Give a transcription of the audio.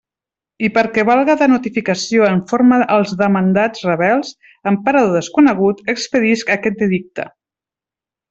I perquè valga de notificació en forma als demandats rebels, en parador desconegut, expedisc aquest edicte.